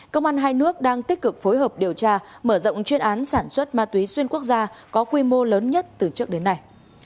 công an hai nước đang tích cực phối hợp điều tra mở rộng chuyên án sản xuất ma túy xuyên quốc gia có quy mô lớn nhất từ trước đến nay